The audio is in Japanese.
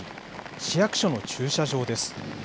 市役所の駐車場です。